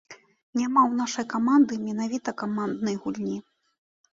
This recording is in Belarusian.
Няма ў нашай каманды менавіта каманднай гульні.